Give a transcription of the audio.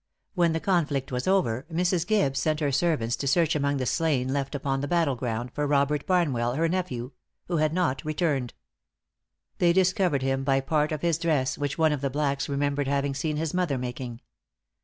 When the conflict was over, Mrs. Gibbes sent her servants to search among the slain left upon the battle ground, for Robert Barnwell, her nephew, who had not returned. They discovered him by part of his dress, which one of the blacks remembered having seen his mother making.